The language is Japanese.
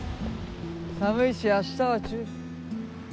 寒いし明日は中止。